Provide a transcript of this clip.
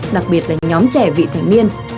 đặc biệt là nhóm trẻ vị thành niên